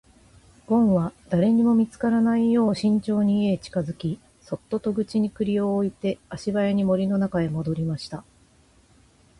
ごんは誰にも見つからないよう慎重に家へ近づき、そっと戸口に栗を置いて足早に森の中へ戻りました。